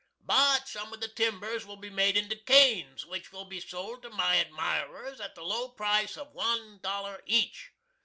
But some of the timbers will be made into canes, which will be sold to my admirers at the low price of one dollar each.